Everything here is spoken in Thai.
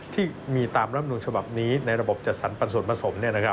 ที่มีตามรำนูญฉบับนี้ในระบบจัดสรรปันส่วนผสม